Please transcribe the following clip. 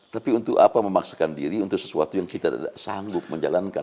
tapi untuk apa memaksakan diri untuk sesuatu yang kita tidak sanggup menjalankan